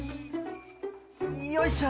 よいしょ！